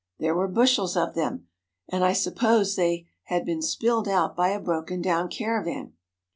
There were bushels of them, and I supposed they had been spilled out by a broken down caravan.